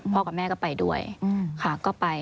กับแม่ก็ไปด้วยค่ะก็ไป